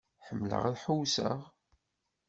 Ḥemmleɣ ad ḥewseɣ.